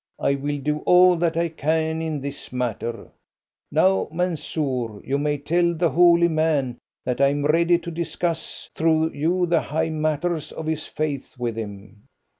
I will do all that I can in this matter. Now, Mansoor, you may tell the holy man that I am ready to discuss through you the high matters of his faith with him."